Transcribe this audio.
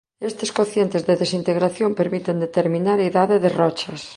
Estes cocientes de desintegración permiten determinar a idade de rochas.